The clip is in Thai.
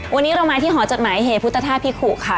วันนี้เรามาที่หอจดหมายเหตุพุทธธาตุพิขุค่ะ